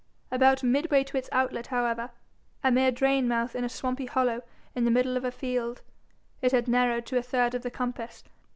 About midway to its outlet, however a mere drain mouth in a swampy hollow in the middle of a field it had narrowed to a third of the compass.